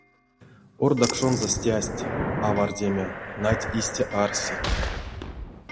Ордакшонзо стясть... авардеме, нать, истя арси.